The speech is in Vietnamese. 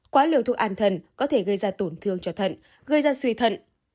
quá liều thuốc an thần có thể gây ra tổn thương cho thận gây ra suy thận